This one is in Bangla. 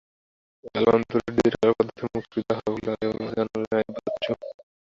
অ্যালবাম দুটি ডিজিটাল পদ্ধতিতে মুক্তি দেওয়া হবে বলে জানালেন আইয়ুব বাচ্চু।